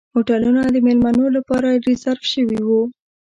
هوټلونه د میلمنو لپاره ریزرف شوي وو.